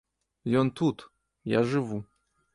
Ён тут, я жыву.